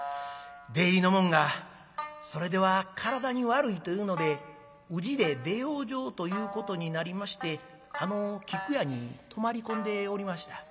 出入りの者がそれでは体に悪いというので宇治で出養生ということになりましてあの菊屋に泊まり込んでおりました。